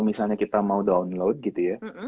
misalnya kita mau download gitu ya